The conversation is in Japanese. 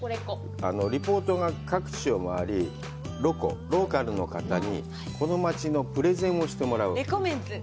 リポーターが各地を回り、ロコ、ローカルの方に、この町のプレゼンをしてもらう。